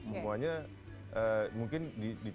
semuanya mungkin ditemukan